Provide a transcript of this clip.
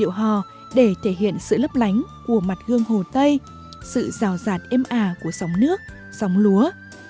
điều hò để thể hiện sự lấp lánh của mặt gương hồ tây sự rào rạt êm ả của sống nước sống lúa